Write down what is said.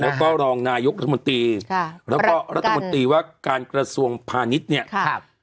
แล้วก็รองนายกรัฐมนตรีแล้วก็รัฐมนตรีว่าการกระทรวงพาณิชย์เนี่ย